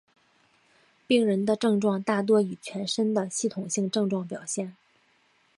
病人的症状大多以全身的系统性症状表现。